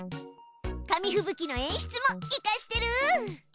紙ふぶきの演出もイカしてる。